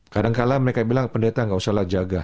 kadang kadang mereka bilang pendeta nggak usahalah jaga